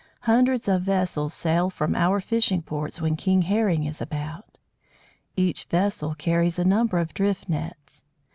Hundreds of vessels sail from our fishing ports when King Herring is about. Each vessel carries a number of drift nets.